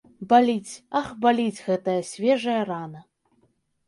Баліць, ах, баліць гэтая свежая рана.